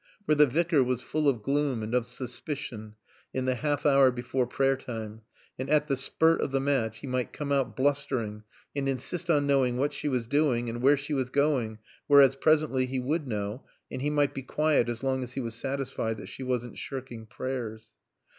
For the Vicar was full of gloom and of suspicion in the half hour before prayer time, and at the spurt of the match he might come out blustering and insist on knowing what she was doing and where she was going, whereas presently he would know, and he might be quiet as long as he was satisfied that she wasn't shirking Prayers.